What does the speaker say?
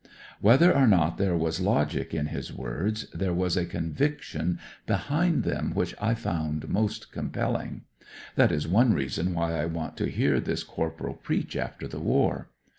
Whether or not there was logic in his words, there was a conviction behind them which I found most compelling. (That is one reason why I want to hear this corporal preach after the war.)